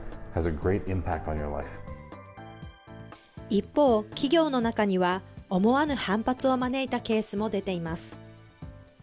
一方、企業の中には思わぬ反発を招いたケースも出ています。